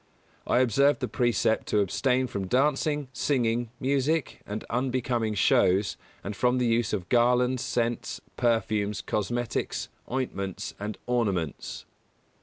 I observe the precept to abstain from dancing, singing, music and unbecoming shows, and from the use of garlands, scents, perfumes, cosmetics, ointments, and ornaments.